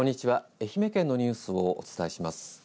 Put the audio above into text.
愛媛県のニュースをお伝えします。